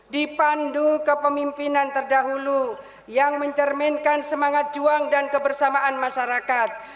dipandu kepemimpinan terdahulu yang mencerminkan semangat juang dan kebersamaan masyarakat